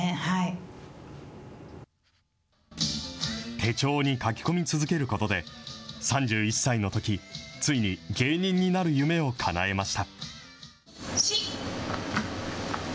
手帳に書き込み続けることで、３１歳のとき、ついに芸人になる夢をかなえました。